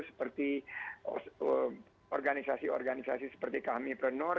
seperti organisasi organisasi seperti kami preneur